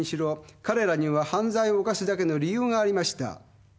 彼らには犯罪を犯すだけの理由がありました。